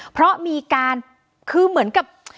เพราะมีการคือเหมือนกับ